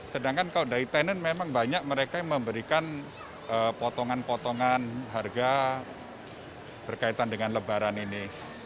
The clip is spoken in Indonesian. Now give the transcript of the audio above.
sedangkan kalau dari tenan memang banyak mereka yang memberikan potongan potongan harga berkaitan dengan lebaran ini